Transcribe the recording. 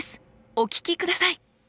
お聞きください！